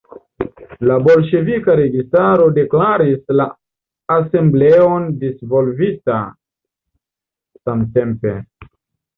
La bolŝevika registaro deklaris la Asembleon dissolvita samtempe.